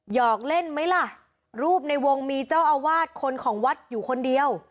หอกเล่นไหมล่ะรูปในวงมีเจ้าอาวาสคนของวัดอยู่คนเดียว